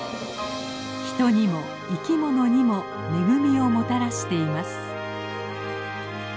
人にも生きものにも恵みをもたらしています。